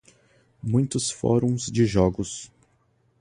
Muitos fóruns de jogos